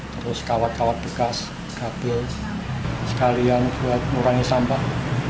terus kawat kawat bekas kabel sekalian buat murangi sampah